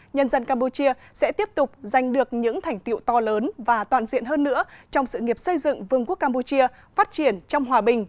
nhân dân campuchia sẽ tiếp tục giành được những thành tiệu to lớn và toàn diện hơn nữa trong sự nghiệp xây dựng vương quốc campuchia phát triển trong hòa bình